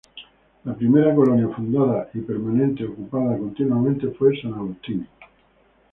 La primera colonia fundada y permanente ocupada continuamente fue San Agustín.